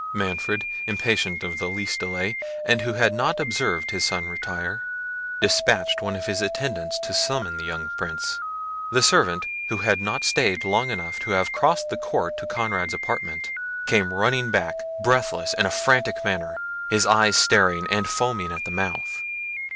Manfred, impatient of the least delay, and who had not observed his son retire, despatched one of his attendants to summon the young Prince. The servant, who had not stayed long enough to have crossed the court to Conrad's apartment, came running back breathless, in a frantic manner, his eyes staring, and foaming at the mouth.